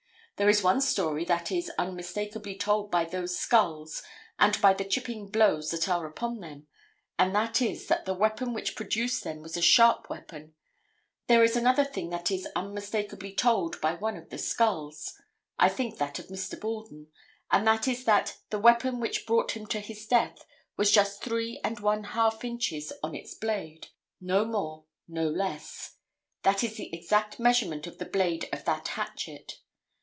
There is one story that is unmistakably told by those skulls and by the chipping blows that are upon them, and that is that the weapon which produced them was a sharp weapon. There is another thing that is unmistakably told by one of the skulls—I think that of Mr. Borden—and that is that the weapon which brought him to his death was just three and one half inches on its blade, no more, no less. That is the exact measurement of the blade of that hatchet.